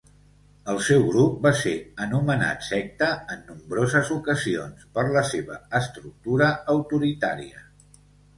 El seu grup va ser anomenat secta en nombroses ocasions per la seva estructura autoritària.